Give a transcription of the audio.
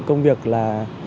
công việc là